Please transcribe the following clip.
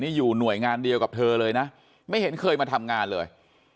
นี่อยู่หน่วยงานเดียวกับเธอเลยนะไม่เห็นเคยมาทำงานเลย